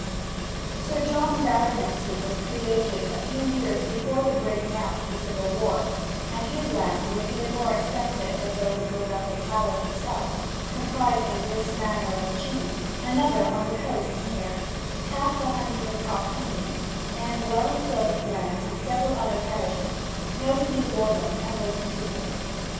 Sir John's was a baronetcy created a few years before the breaking out of the Civil War, and his lands were even more extensive than those of Lord Uplandtowers himself; comprising this Manor of Chene, another on the coast near, half the Hundred of Cockdene, and well enclosed lands in several other parishes, notably Warborne and those contiguous.